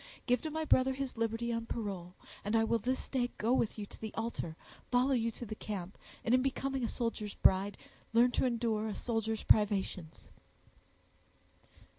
Give to my brother his liberty on parole, and I will this day go with you to the altar, follow you to the camp, and, in becoming a soldier's bride, learn to endure a soldier's privations."